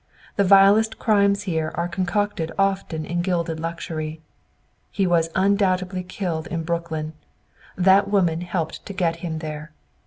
The vilest crimes here are concocted often in gilded luxury. He was undoubtedly killed in Brooklyn. This woman helped to get him there!